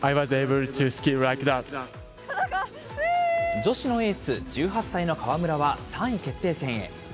女子のエース、１８歳の川村は、３位決定戦へ。